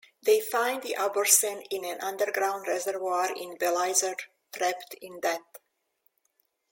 They find the Abhorsen in an underground reservoir in Belisaere, trapped in Death.